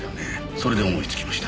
それで思いつきました。